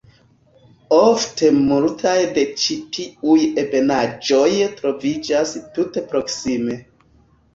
Ofte multaj de ĉi tiuj ebenaĵoj troviĝas tute proksime.